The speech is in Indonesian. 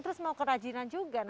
terus mau kerajinan juga nih